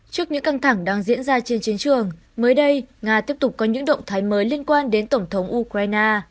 trước những căng thẳng đang diễn ra trên chiến trường mới đây nga tiếp tục có những động thái mới liên quan đến tổng thống ukraine